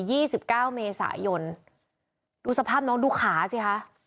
สิบเก้าเมษายนดูสภาพน้องดูขาสิคะ